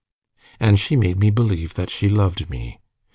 And she made me believe that she loved me.